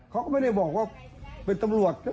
เขาก็ไม่ได้บอกว่าเป็นตำรวจ